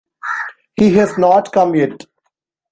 He has not come yet.